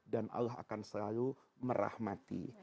dan allah akan selalu merahmati